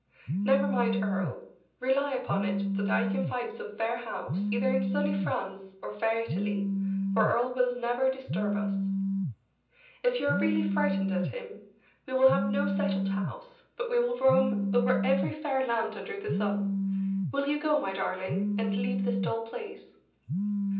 "Never mind Earle, rely upon it that I can find some fair house either in sunny France or fair Italy where Earle will never disturb us. If you are really frightened at him, we will have no settled house, but we will roam over every fair land under the sun. Will you go, my darling, and leave this dull place?"